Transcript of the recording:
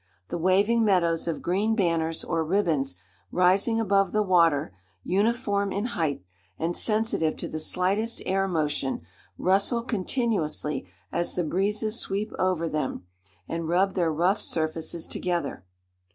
The waving meadows of green banners, or ribbons, rising above the water, uniform in height, and sensitive to the slightest air motion, rustle continuously as the breezes sweep over them, and rub their rough surfaces together.